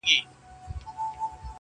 تر مابین مو دي په وېش کي عدالت وي-